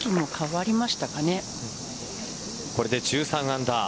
これで１３アンダー。